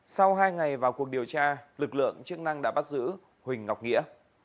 sau hai ngày vào cuộc điều tra lực lượng chức năng đã bắt giữ huỳnh ngọc nghĩa